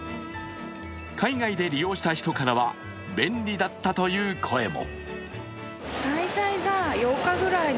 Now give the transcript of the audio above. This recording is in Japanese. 海外で利用した人からは便利だったという声も。